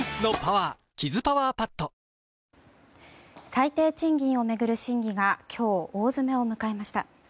最低賃金を巡る審議が今日、大詰めを迎えました。